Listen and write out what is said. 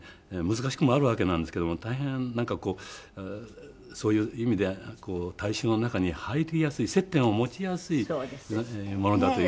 難しくもあるわけなんですけども大変なんかこうそういう意味で大衆の中に入りやすい接点を持ちやすいものだという。